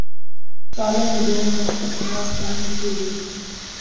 Column میں دومقدمات قائم کیے گئے ہیں۔